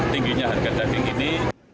tingginya harga daging ini